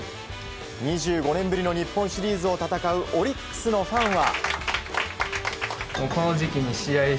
２５年ぶりの日本シリーズを戦うオリックスのファンは。